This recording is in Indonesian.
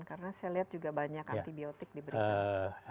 karena saya lihat juga banyak anti biotik diberikan